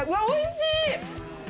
おいしい！